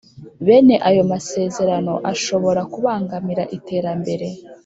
Bene Ayo masezerano ashobora kubangamira iterambere